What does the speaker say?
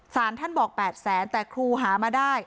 สารท่านบอก๘แสนแต่ครูหามาได้